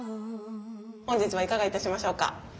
本日はいかが致しましょうか？